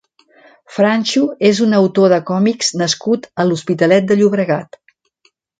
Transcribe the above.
Franchu és un autor de còmics nascut a l'Hospitalet de Llobregat.